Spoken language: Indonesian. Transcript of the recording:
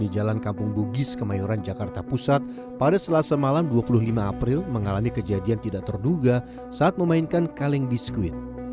di jalan kampung bugis kemayoran jakarta pusat pada selasa malam dua puluh lima april mengalami kejadian tidak terduga saat memainkan kaleng biskuit